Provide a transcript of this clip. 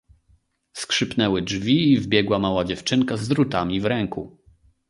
"Skrzypnęły drzwi i wbiegła mała dziewczynka z drutami w ręku."